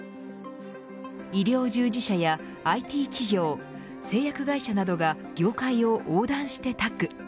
医療従事者やＩＴ企業製薬会社などが業界を横断してタッグ。